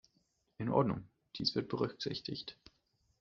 In Ordnung, dies wird berücksichtigt.